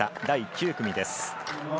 第９組です。